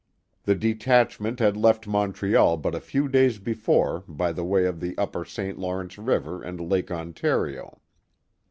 The detach ment had left Montreal but a few days before by the way of the upper St. Lawrence River and Lake Ontario.